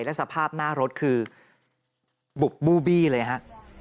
และสภาพหน้ารถคือบุบบู้บี้เลยฮะ